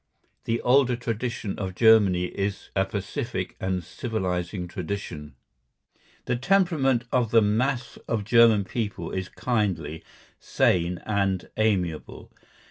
The older tradition of Germany is a pacific and civilising tradition. The temperament of the mass of German people is kindly, sane and amiable.